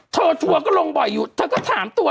ทัวร์ก็ลงบ่อยอยู่เธอก็ถามตัว